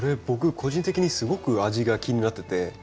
僕個人的にすごく味が気になってて。